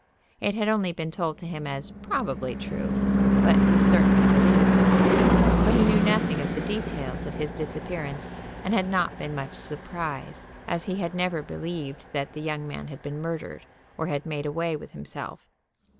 It had only been told to him as probably true, but he certainly believed it. But he knew nothing of the details of his disappearance, and had not been much surprised, as he had never believed that the young man had been murdered or had made away with himself.